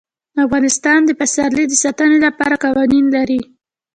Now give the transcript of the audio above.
افغانستان د پسرلی د ساتنې لپاره قوانین لري.